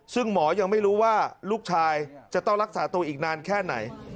ซึ่งหมอยังไม่รู้ว่าลูกชายจะต้องรักษาตัวอีกนานแค่ไหน